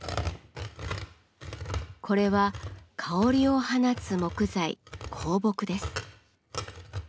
これは香りを放つ木材香木です。